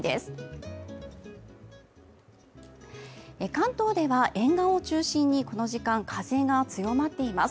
関東では沿岸を中心にこの時間、風が強まっています。